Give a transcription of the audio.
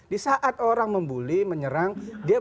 di saat orang membuli menyerang dia